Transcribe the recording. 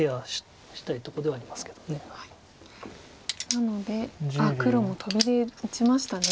なのであっ黒もトビで打ちましたね。